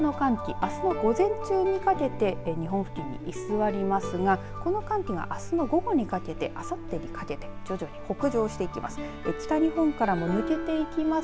あすの午前中にかけて日本付近に居座りますがこの寒気があすの午後にかけてあさってにかけて徐々に北上していきます。